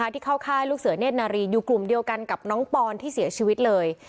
ที่เข้าค่ายลูกเสือเนธนารีอยู่กลุ่มเดียวกันกับน้องปอนที่เสียชีวิตเลย